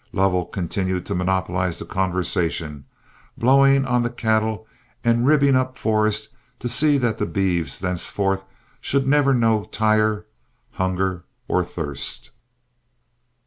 Lovell continued to monopolize the conversation, blowing on the cattle and ribbing up Forrest to see that the beeves thenceforth should never know tire, hunger, or thirst.